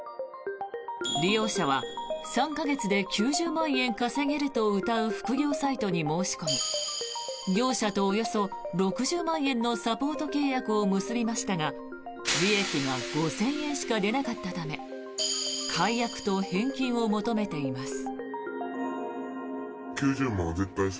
利用者は３か月で９０万円稼げるとうたう副業サイトに申し込み業者とおよそ６０万円のサポート契約を結びましたが利益が５０００円しか出なかったため解約と返金を求めています。